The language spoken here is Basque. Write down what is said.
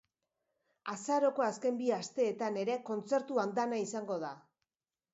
Azaroko azken bi asteetan ere kontzertu andana izango da.